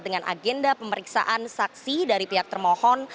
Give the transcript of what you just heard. dengan agenda pemeriksaan saksi dari pihak termohon